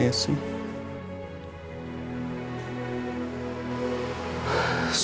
tetap harus menunggu kiriman esy